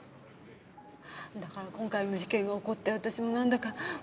だから今回の事件が起こって私もなんだか後ろめたいのよ。